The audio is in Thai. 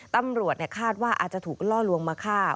ตำรวจคาดว่าอาจจะถูกล่อลวงมาฆ่า